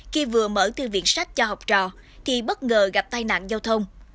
khi vừa mở thư viện sách cho học trò thì bất ngờ gặp tai nạn giao thông